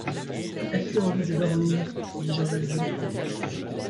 As-tu envie de dormir ? dit Jean Valjean.